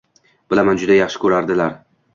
Bilaman, juda yaxshi ko‘rardilar.